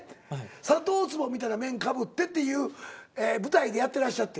「砂糖つぼみたいな面かぶって」っていう舞台でやってらっしゃって。